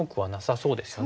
そうですね。